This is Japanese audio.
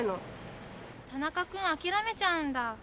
田中君あきらめちゃうんだ。